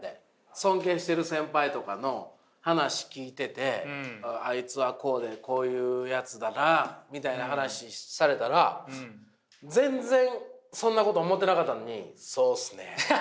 尊敬してる先輩とかの話聞いててあいつはこうでこういうやつだなみたいな話されたら全然そんなこと思ってなかったのにそうっすね。